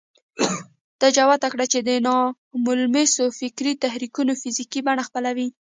ده جوته کړه چې ناملموس فکري تحرک فزيکي بڼه خپلوي.